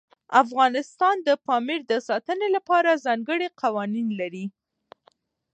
افغانستان د پامیر د ساتنې لپاره ځانګړي قوانین لري.